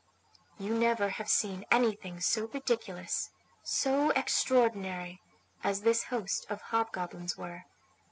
You never have seen anything so ridiculous, so extraordinary, as this host of hobgoblins were.